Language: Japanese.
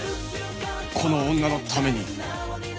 この女のために